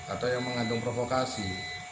atau yang mengandung provokasi